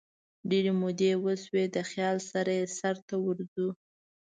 ډیري مودې وشوي دخیال سره یې سرته ورځو